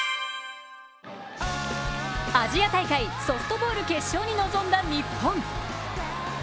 アジア大会、ソフトボール決勝に臨んだ日本。